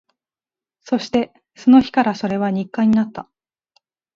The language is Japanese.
そして、その日からそれは日課になった